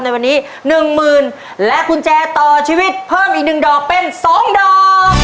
ในวันนี้๑๐๐๐๐บาทและแขนตาต่อชีวิตเพิ่มอีก๑ดอกเป็น๒ดอก